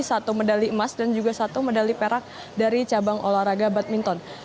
satu medali emas dan juga satu medali perak dari cabang olahraga badminton